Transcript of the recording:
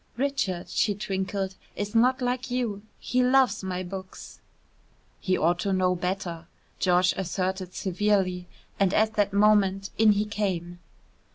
"Richard," she twinkled, "is not like you. He loves my books." "He ought to know better," George asserted severely, and at that moment in he came.